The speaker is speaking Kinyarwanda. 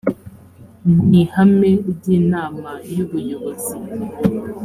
ni ihame ry’inama y’ubuyobozi